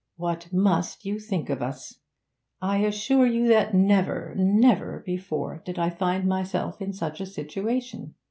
'What must you think of us! I assure you that never, never before did I find myself in such a situation.